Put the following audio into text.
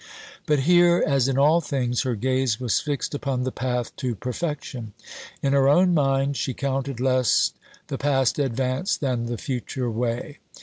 But here, as in all things, her gaze was fixed upon the path to perfection. In her own mind she counted less the past advance than the future way.